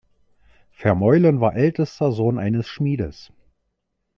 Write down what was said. Vermeulen war ältester Sohn eines Schmiedes.